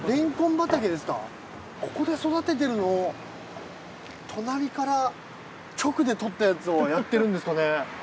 ここで育ててるのを隣から直でとったやつをやってるんですかね？